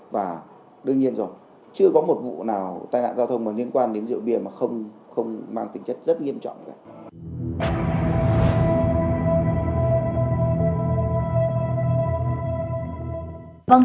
và đương nhiên rồi chưa có một vụ nào tai nạn giao thông mà liên quan đến rượu bia mà không mang tính chất rất nghiêm trọng cả